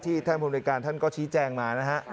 ท่านผู้บริการท่านก็ชี้แจงมานะฮะ